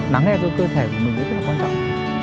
lắng nghe cho cơ thể của mình rất là quan trọng